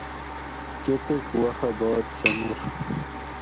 کۤتیک وخہ بعد سہ مور